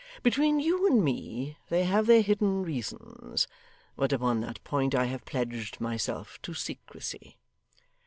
Between you and me they have their hidden reasons, but upon that point I have pledged myself to secrecy.